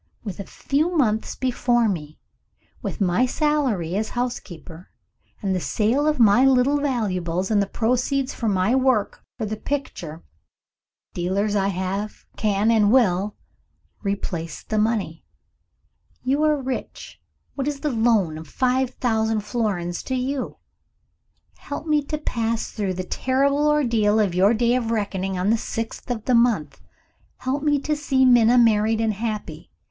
With a few months before me with my salary as housekeeper, and the sale of my little valuables, and the proceeds of my work for the picture dealers I can, and will, replace the money. You are rich. What is a loan of five thousand florins to you? Help me to pass through the terrible ordeal of your day of reckoning on the sixth of the month! Help me to see Minna married and happy!